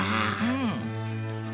うん。